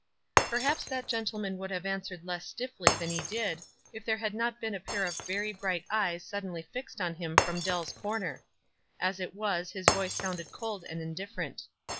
Perhaps that gentleman would have answered less stiffly than he did it' there had not been a pair of very bright eyes suddenly fixed on him from Dell's corner. As it was his voice sounded cold and indifferent.